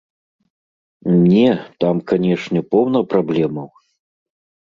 Не, там, канешне, поўна праблемаў.